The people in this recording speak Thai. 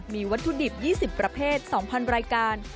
มีวัตถุดิบ๒๐ประเภท๒๐๐รายการ